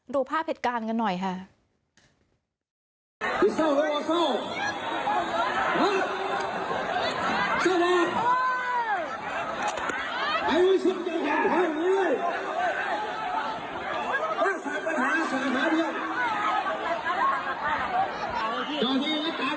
เจ้าเนียนกันเลยจับเลยจับส่วนเจ้าเนียนกว่าเลยเพราะวันไหลอย่าง